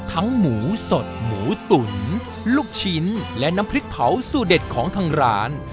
หมูสดหมูตุ๋นลูกชิ้นและน้ำพริกเผาสูตเด็ดของทางร้าน